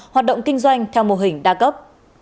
hoạt động kinh doanh theo mô hình đa cấp